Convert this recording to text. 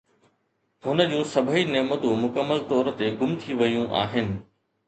هن جون سڀئي نعمتون مڪمل طور تي گم ٿي ويون آهن